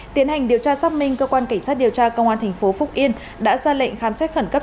tiến hành điều tra xác minh cơ quan cảnh sát điều tra công an thành phố phúc yên đã ra lệnh khám xét khẩn cấp